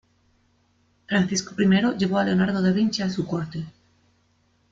Francisco I llevó a Leonardo da Vinci a su corte.